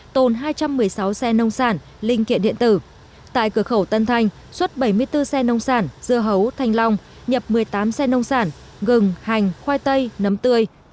tại cửa khẩu tân thanh xuất bảy mươi bốn xe nông sản dưa hấu thanh long nhập một mươi tám xe nông sản gừng hành khoai tây nấm tươi